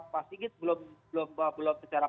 pak sigit belum secara